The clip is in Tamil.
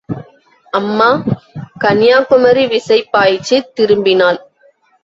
அம்மா! கன்யாகுமரி விசை பாய்ச்சித் திரும்பினாள்.